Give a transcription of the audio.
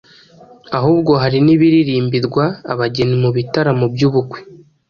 ahubwo hari n’ibiririmbirwa abageni mu bitaramo by’ubukwe.